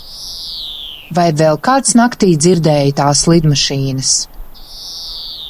Vai vēl kāds naktī dzirdēja tās lidmašīnas?